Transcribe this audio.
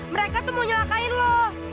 mereka tuh mau nyalakain loh